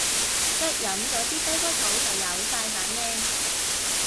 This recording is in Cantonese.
一飲咗支雞骨草就有晒反應